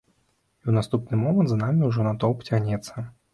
І ў наступны момант за намі ўжо натоўп цягнецца.